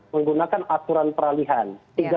menggunakan aturan peralihan